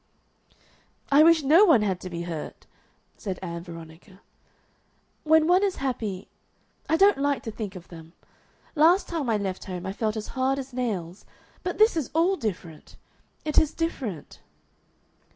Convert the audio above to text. "I wish no one had to be hurt," said Ann Veronica. "When one is happy I don't like to think of them. Last time I left home I felt as hard as nails. But this is all different. It is different."